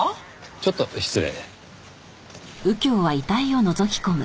ちょっと失礼。